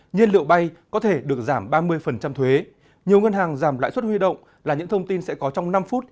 nhiên liệu bay có thể được giảm ba mươi thuế nhiều ngân hàng giảm lãi suất huy động là những thông tin sẽ có trong năm phút